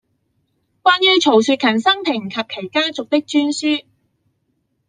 關於曹雪芹生平及其家族的專書